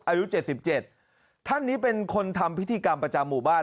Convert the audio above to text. อายุ๗๗ท่านนี้เป็นคนทำพิธีกรรมประจำหมู่บ้าน